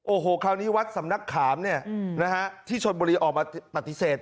โอ้โหคราวนี้วัดสำนักขามเนี่ยนะฮะที่ชนบุรีออกมาปฏิเสธ